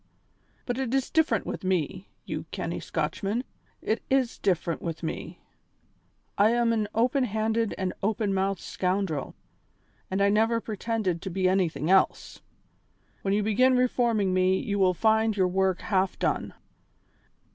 But it is different with me, you canny Scotchman, it is different with me. I am an open handed and an open mouthed scoundrel, and I never pretended to be anything else. When you begin reforming me you will find your work half done."